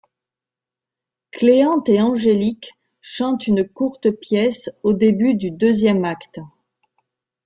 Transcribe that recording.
Cléante et Angélique chantent une courte pièce au début du deuxième acte.